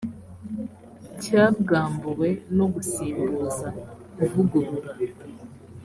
cyabwambuwe no gusimbuza kuvugurura